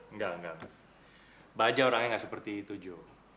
engga engga baja orangnya ga seperti itu jo